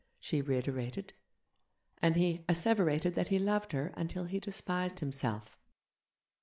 she reiterated; and he asseverated that he loved her until he despised himself.